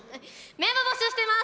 メンバー募集してます。